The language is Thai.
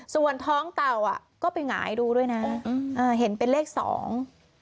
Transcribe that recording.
ส่วนท้องเต่าอ่ะก็ไปหงายดูด้วยนะอืมอ่าเห็นเป็นเลขสอง